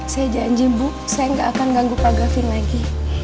saya janji bu saya nggak akan ganggu pak gavin lagi